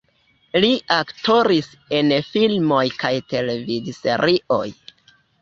Li aktoris en filmoj kaj televidserioj.